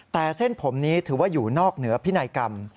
แต่เส้นผมนี้ถือว่าอยู่นอกเหนือพินัยกรรม